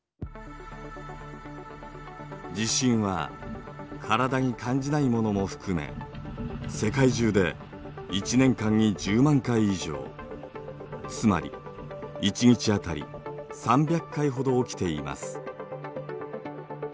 地震は体に感じないものも含め世界中で一年間に１０万回以上つまり一日当たり３００回ほど起きています。